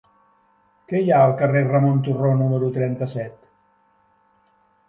Què hi ha al carrer de Ramon Turró número trenta-set?